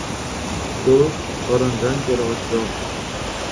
Ko‘z qorindan ko‘ra ochroq.